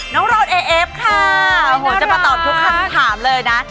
น้องรอนเอเอฟค่ะโอ้โหจะมาตอบทุกคำถามเลยนะ